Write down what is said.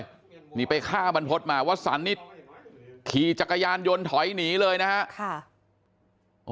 นี่ไปฆ่าบรรพฤษมาวัสสันนี่ขี่จักรยานยนต์ถอยหนีเลยนะฮะ